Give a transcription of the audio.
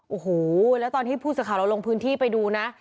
โอ้โหแล้วตอนที่ผู้สื่อข่าวเราลงพื้นที่ไปดูนะ